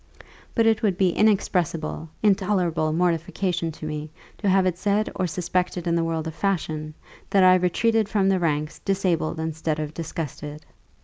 But it would be inexpressible, intolerable mortification to me, to have it said or suspected in the world of fashion, that I retreated from the ranks disabled instead of disgusted.